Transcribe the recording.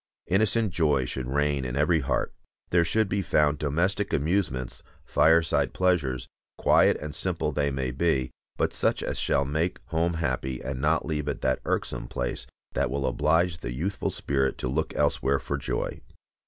Innocent joy should reign in every heart. There should be found domestic amusements, fireside pleasures, quiet and simple they may be, but such as shall make home happy, and not leave it that irksome place that will oblige the youthful spirit to look elsewhere for joy.